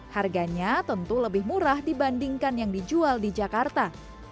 harganya tentu lebih murah dibandingkan yang dijual di jakarta